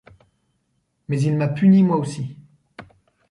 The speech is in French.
Mais il m’a puni moi aussi.